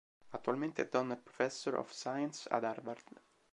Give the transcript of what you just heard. Attualmente è "Donner Professor of Science" ad Harvard.